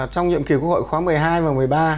trong nhiệm kỳ quốc hội khóa một mươi hai và một mươi ba